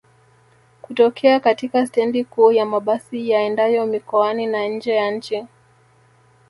kutokea katika stendi kuu ya mabasi yaendayo mikoani na nje ya nchi